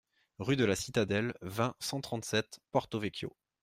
Rue De La Citadelle, vingt, cent trente-sept Porto-Vecchio